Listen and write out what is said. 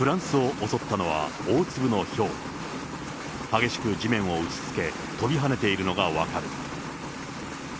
激しく地面を打ちつけ、飛び跳ねているのが分かる。